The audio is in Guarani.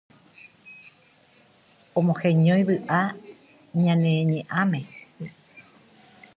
omoheñói vy'a ñane ñe'ãme.